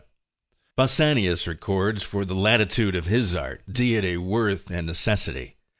Pausanius records, for the latitude of his art, deity, worth, and necessity.